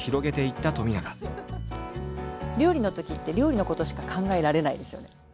料理のときって料理のことしか考えられないですよね。